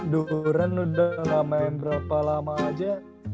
duran udah nggak main berapa lama aja